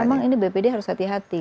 memang ini bpd harus hati hati